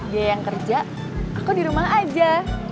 dia yang kerja aku di rumah aja